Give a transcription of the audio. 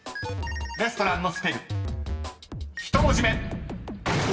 ［レストランのスペル１文字目］